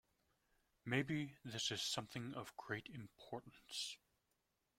Maybe this is something of great importance.